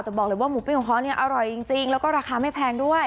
แต่บอกเลยว่าหมูปิ้งของเขาเนี่ยอร่อยจริงแล้วก็ราคาไม่แพงด้วย